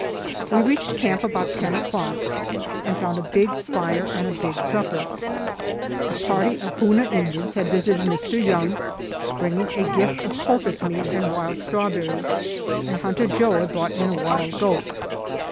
We reached camp about ten o'clock, and found a big fire and a big supper. A party of Hoona Indians had visited Mr. Young, bringing a gift of porpoise meat and wild strawberries, and Hunter Joe had brought in a wild goat.